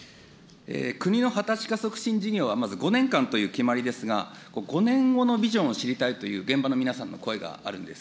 国の畑地化促進事業はまず５年間という決まりですが、５年後のビジョンを知りたいという現場の皆さんの声があるんです。